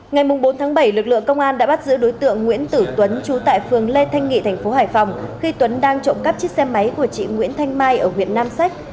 ngày bốn bảy lực lượng công an đã bắt giữ đối tượng nguyễn tử tuấn trú tại phường lê thanh nghị thành phố hải phòng khi tuấn đang trộm cắp chiếc xe máy của chị nguyễn thanh mai ở huyện nam sách